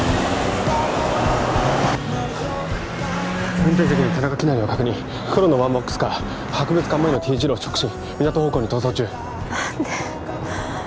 運転席に田中希也を確認黒のワンボックスカー博物館前のＴ字路を直進港方向に逃走中何で？